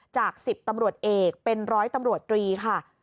จาก๑๐ตำรวจเอกเป็นร้อยตำรวจตรีค่ะ